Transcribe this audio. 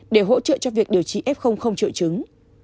để hỗ trợ cho việc điều trị f triệu chứng